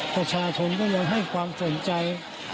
ประชาชนก็เลยให้ความสนใจ